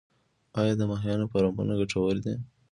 آیا د ماهیانو فارمونه ګټور دي؟